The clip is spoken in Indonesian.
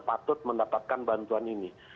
patut mendapatkan bantuan ini